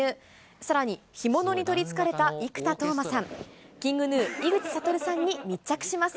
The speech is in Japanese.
さらに、干物に取りつかれた生田斗真さん、ＫｉｎｇＧｎｕ・井口理さんに密着します。